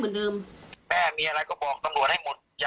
แม่ยังคงมั่นใจและก็มีความหวังในการทำงานของเจ้าหน้าที่ตำรวจค่ะ